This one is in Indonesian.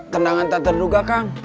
tendangan tak terduga kang